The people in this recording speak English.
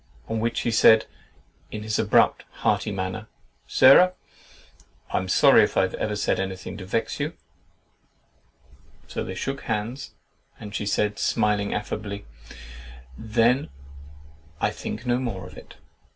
On which he said in his abrupt, hearty manner, "Sarah, I'm sorry if I've ever said anything to vex you"—so they shook hands, and she said, smiling affably—"THEN I'll think no more of it!"